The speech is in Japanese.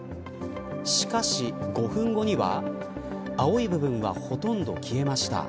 しかし５分後には青い部分はほとんど消えました。